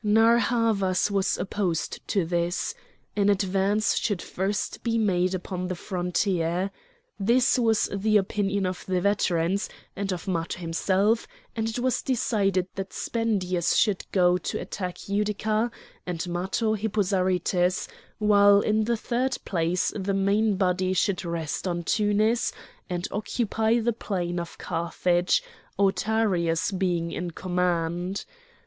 Narr' Havas was opposed to this: an advance should first be made upon the frontier. This was the opinion of the veterans, and of Matho himself, and it was decided that Spendius should go to attack Utica, and Matho Hippo Zarytus, while in the third place the main body should rest on Tunis and occupy the plain of Carthage, Autaritus being in command.